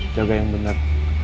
jaga yang benar